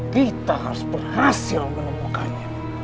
kita harus berhasil menemukannya